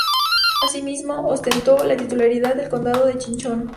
Asimismo ostentó la titularidad del condado de Chinchón.